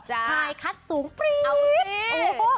คลายคัทสูงปรี๊ด